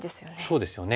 そうですよね。